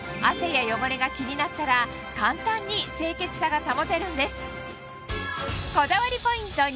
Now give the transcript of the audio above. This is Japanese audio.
汗や汚れが気になったら簡単に清潔さが保てるんです